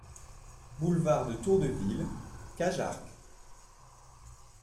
Boulevard de Tour-de-Ville, Cajarc